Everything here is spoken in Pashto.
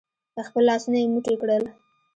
خپل لاسونه يې موټي کړل.